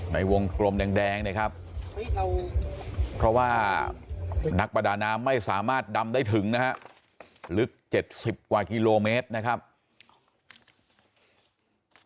ในวงกลมแดงเนี่ยครับเพราะว่านักประดาน้ำไม่สามารถดำได้ถึงนะฮะลึก๗๐กว่ากิโลเมตรนะครับ